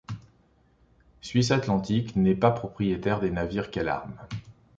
Suisse-Atlantique n'est pas propriétaire des navires qu'elle arme.